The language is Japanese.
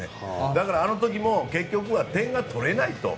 だから、あの時も結局は点が取れないと。